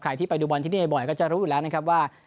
ที่ไปดูบอลที่นี่บ่อยก็จะรู้อยู่แล้วนะครับว่า